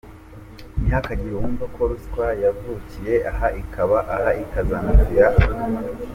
Ntihakagire uwumva ko ruswa yavukiye aha, ikaba aha, ikazanapfira aha.